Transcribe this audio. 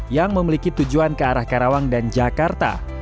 yang memiliki tujuan ke arah karawang dan jakarta